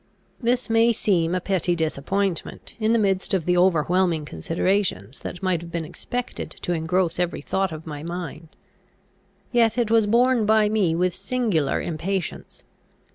This may seem a petty disappointment, in the midst of the overwhelming considerations that might have been expected to engross every thought of my mind. Yet it was borne by me with singular impatience.